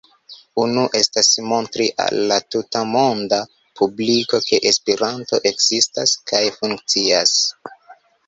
Unu estas montri al la tutmonda publiko, ke Esperanto ekzistas kaj funkcias.